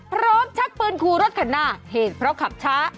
พร้อมชักปืนครูรถขนาดเห็นเพราะขับช้า